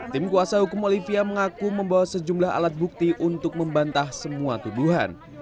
tim kuasa hukum olivia mengaku membawa sejumlah alat bukti untuk membantah semua tuduhan